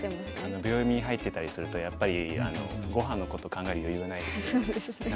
秒読みに入っていたりするとやっぱりごはんのこと考える余裕はないですよね。